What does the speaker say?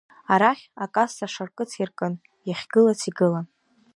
Арахь, акасса шаркыц иаркын, иахьгылац игылан.